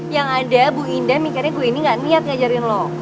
yang ada bu indah mikirnya bu ini gak niat ngajarin lo